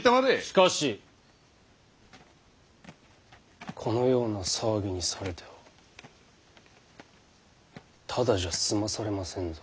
しかしこのような騒ぎにされてはただじゃ済まされませんぞ。